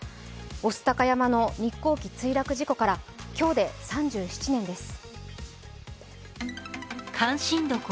御巣鷹山の日航機墜落事故から今日で３７年です。